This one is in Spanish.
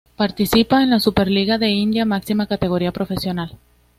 Participa en la Superliga de India, máxima categoría profesional.